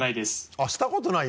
あっしたことない？